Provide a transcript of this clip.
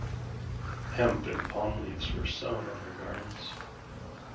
Hemp and palm leaves were sewn on their garments.